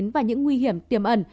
và những nguy hiểm tiềm ẩn